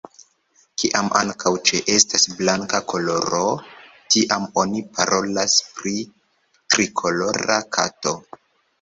Kiam ankaŭ ĉeestas blanka koloro, tiam oni parolas pri trikolora kato.